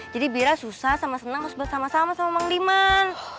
jadi bira susah sama senang harus bersama sama sama bang liman